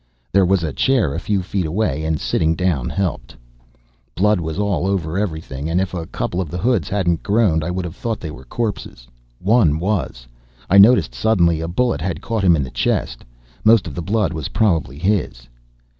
There was a chair a few feet away and sitting down helped. Blood was all over everything and if a couple of the hoods hadn't groaned I would have thought they were corpses. One was, I noticed suddenly. A bullet had caught him in the chest, most of the blood was probably his.